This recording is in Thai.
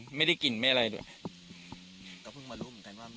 ไม่เห็นไม่ได้กลิ่นไม่อะไรด้วยก็เพิ่งมารู้เหมือนกันว่า